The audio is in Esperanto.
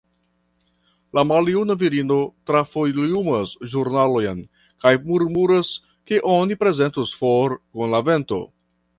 La maljuna virino trafoliumas ĵurnalojn kaj murmuras, ke oni prezentos For kun la vento.